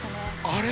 「あれ？」